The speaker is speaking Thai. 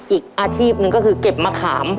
อีกอาชีพหนึ่งก็คือเก็บมะขาม